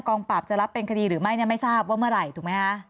ปราบจะรับเป็นคดีหรือไม่ไม่ทราบว่าเมื่อไหร่ถูกไหมคะ